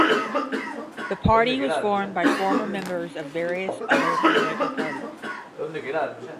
The party was formed by former members of various other political parties.